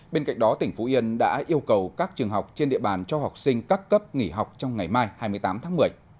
bên cạnh đó tỉnh phú yên đã yêu cầu các trường học trên địa bàn cho học sinh các cấp nghỉ học trong ngày mai hai mươi tám tháng một mươi